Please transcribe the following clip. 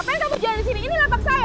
apa yang kamu jual disini ini lapak saya